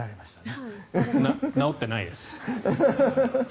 直ってないです。